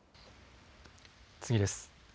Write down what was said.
次です。